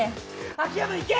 秋山いけ！